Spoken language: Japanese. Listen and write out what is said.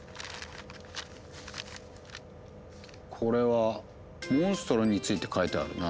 これはモンストロについて書いてあるな。